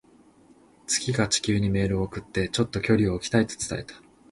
月が地球にメールを送って、「ちょっと距離を置きたい」と伝えた。